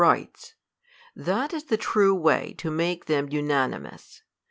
rights ; that is the true way to make them unanimous.